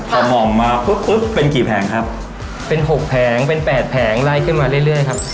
พอมองมาปุ๊บปุ๊บเป็นกี่แผงครับเป็นหกแผงเป็นแปดแผงไล่ขึ้นมาเรื่อยครับ